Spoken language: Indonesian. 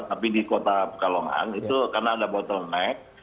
tapi di kota pekalongan itu karena ada bottleneck